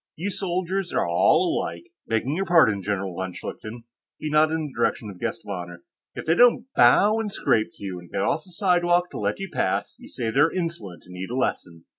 "You soldiers are all alike begging your pardon, General von Schlichten," he nodded in the direction of the guest of honor. "If they don't bow and scrape to you and get off the sidewalk to let you pass, you say they're insolent and need a lesson.